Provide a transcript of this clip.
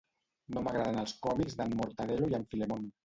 No m'agraden els còmics d'en Mortadelo i en Filemón